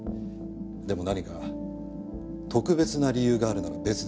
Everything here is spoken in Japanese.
でも何か特別な理由があるなら別ですが。